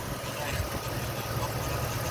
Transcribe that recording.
چي رقيب شړې نو هم زما ارمان سي